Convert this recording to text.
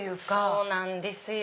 そうなんですよ。